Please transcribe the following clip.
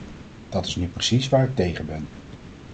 Dat is nu precies waar ik tegen ben.